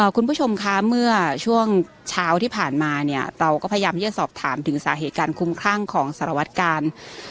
คุณผู้ชมคะเมื่อช่วงเช้าที่ผ่านมาเนี่ยเราก็พยายามที่จะสอบถามถึงสาเหตุการคุ้มคลั่งของสารวัตกาล